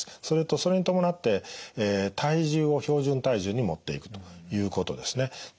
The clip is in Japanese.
それとそれに伴って体重を標準体重にもっていくということですね。